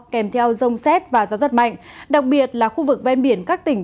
kèm theo rông xét và gió rất mạnh đặc biệt là khu vực ven biển các tỉnh